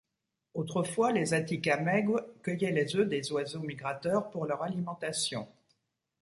Autrefois, les Atikamekw cueillaient les œufs des oiseaux migrateurs pour leur alimentation.